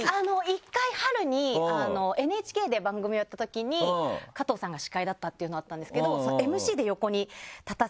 １回春にＮＨＫで番組をやったときに加藤さんが司会だったっていうのはあったんですけど。